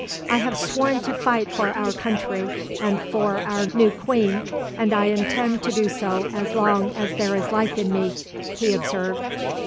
"I have sworn to fight for our country and for our new queen, and I intend to do so as long as there is life in me," he observed.